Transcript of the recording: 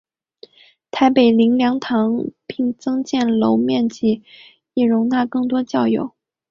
台北灵粮堂并增建楼面面积以容纳更多教友。